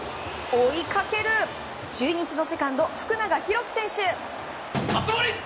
追いかける中日のセカンド福永裕基選手。